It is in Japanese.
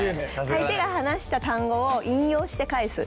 相手が話した単語を引用して返す。